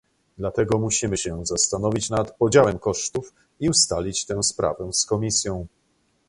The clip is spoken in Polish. Dlatego musimy się zastanowić nad podziałem kosztów i ustalić tę sprawę z Komisją